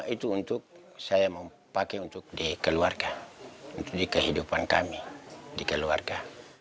karena itu untuk saya mau pakai untuk di keluarga untuk di kehidupan kami di keluarga